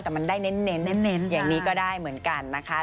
แต่มันได้เน้นอย่างนี้ก็ได้เหมือนกันนะคะ